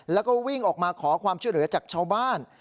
แล้วก็วิ่งออกมาขอความช่วยเหลือจากชาวบ้าน